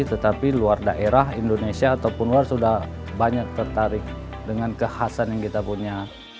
tetapi luar daerah indonesia ataupun luar sudah banyak tertarik dengan kekhasan yang kita punya